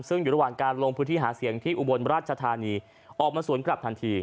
ซึ่งอยู่ระหว่างการลงพื้นที่หาเสียงที่อุบลราชธานีออกมาสวนกลับทันที